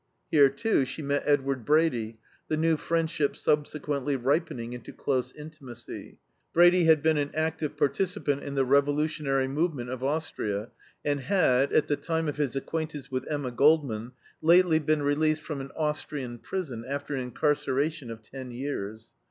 Here, too, she met Edward Brady, the new friendship subsequently ripening into close intimacy. Brady had been an active participant in the revolutionary movement of Austria and had, at the time of his acquaintance with Emma Goldman, lately been released from an Austrian prison after an incarceration of ten years.